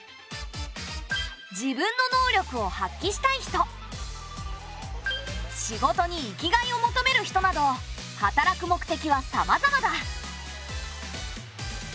自分の能力を発揮したい人仕事に生きがいを求める人など働く目的はさまざまだ。